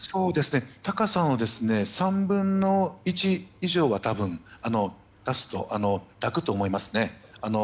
高さの３分の１以上は多分、出して抱くと思います。